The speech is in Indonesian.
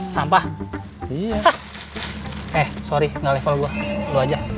sampah iya eh sorry nge level gua aja